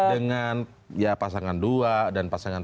dengan ya pasangan dua dan pasangan dua